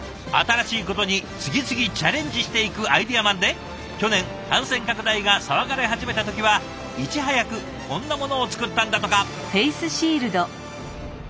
新しいことに次々チャレンジしていくアイデアマンで去年感染拡大が騒がれ始めた時はいち早くこんなものを作ったんだとか。